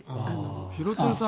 廣津留さん